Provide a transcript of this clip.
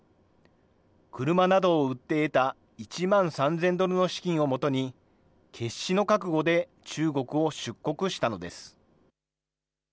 車などを売って得た１万３０００ドルの資金をもとに、決死の覚悟で中国を出国したのです。